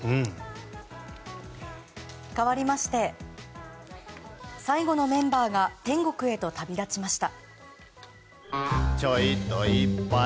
かわりまして最後のメンバーが天国へと旅立ちました。